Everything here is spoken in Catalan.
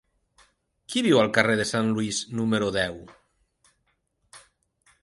Qui viu al carrer de Saint Louis número deu?